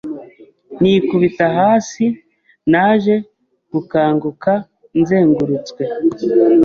nikubita hasi naje gukanguka nzengurutswe